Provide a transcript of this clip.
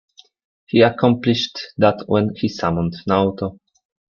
He accomplished that when he summoned Naoto.